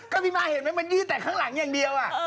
ก็พี่ม้าเห็นไหมมันยืดแต่ข้างหลังอย่างเดียว